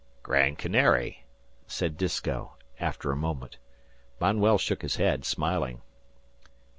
"Grand Canary," said Disko, after a moment. Manuel shook his head, smiling.